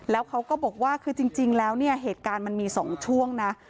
แล้วเขาก็บอกว่าคือจริงแล้วเนี่ยเหตุการณ์มันมี๒ช่วงนะ